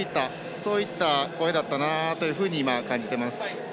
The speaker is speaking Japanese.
そういった声だったなと今、感じています。